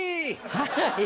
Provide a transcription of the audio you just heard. はい。